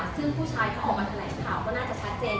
ซึ่งผู้ชายที่ออกมาแถลงข่าวก็น่าจะชัดเจน